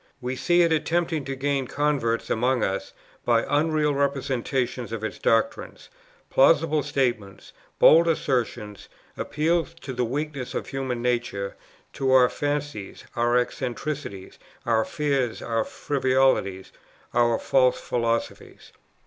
We see it attempting to gain converts among us by unreal representations of its doctrines, plausible statements, bold assertions, appeals to the weaknesses of human nature, to our fancies, our eccentricities, our fears, our frivolities, our false philosophies.